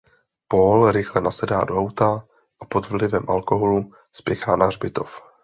Paul rychle nasedá do auta a pod vlivem alkoholu spěchá na hřbitov.